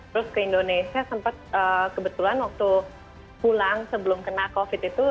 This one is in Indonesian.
terus ke indonesia sempet kebetulan waktu pulang sebelum kena covid itu